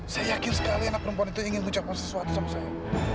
saya yakin sekali anak perempuan itu ingin mengucapkan sesuatu sama saya